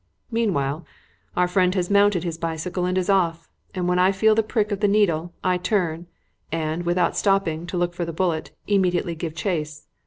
"Meanwhile, our friend has mounted his bicycle and is off, and when I feel the prick of the needle, I turn, and, without stopping to look for the bullet, immediately give chase.